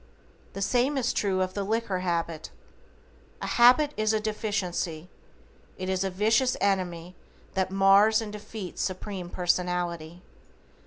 The same is true of the liquor habit. A habit is a deficiency, it is a vicious enemy that mars and defeats Supreme Personality.